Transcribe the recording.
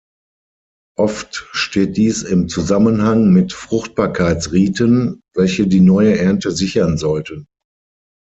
Oft steht dies im Zusammenhang mit Fruchtbarkeitsriten, welche die neue Ernte sichern sollten.